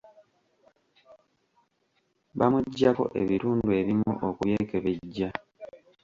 Bamuggyako ebitundu ebimu okubyekebejja.